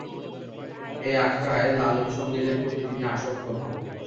এ আখড়ায় লালন সঙ্গীতের প্রতি তিনি আসক্ত হন।